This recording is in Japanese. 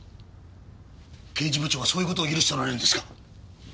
刑事部長がそういう事を許しておられるんですか？